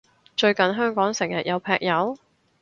最近香港成日有劈友？